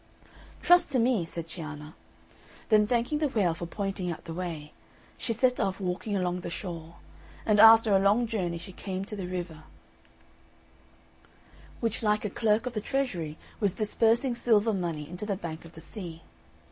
"Trust to me," said Cianna, then thanking the whale for pointing out the way, she set off walking along the shore; and after a long journey she came to the river, which like a clerk of the treasury was disbursing silver money into the bank of the sea.